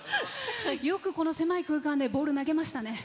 よく、この狭い空間でボール投げましたね。